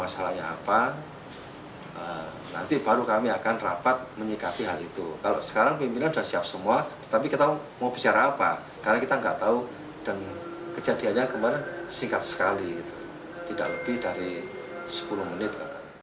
saya tidak tahu dan kejadiannya kemarin singkat sekali tidak lebih dari sepuluh menit